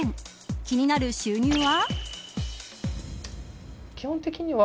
気になる収入は。